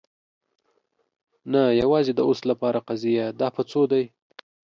نه، یوازې د اوس لپاره قضیه. دا په څو دی؟